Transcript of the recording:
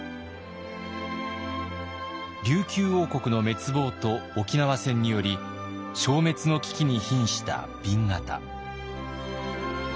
琉球王国の滅亡と沖縄戦により消滅の危機にひんした紅型。